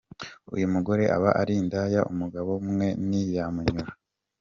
Uyu mugore aba ari indaya , umugabo umwe ntiyamunyura.